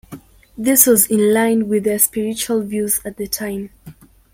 This was in line with their spiritual views at the time.